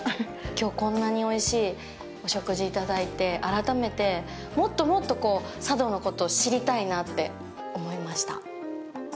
きょう、こんなにおいしいお食事いただいて、改めてもっともっと佐渡のことを知りたいなって思いました。